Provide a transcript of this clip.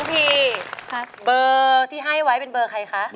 ทุกผีเบอร์ที่ให้ไว้เป็นเบอร์ใครครับ